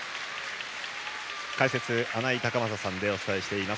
解説、穴井隆将さんでお伝えしています。